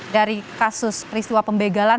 dari kasus peristiwa pembegalan